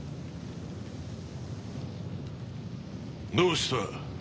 どうした？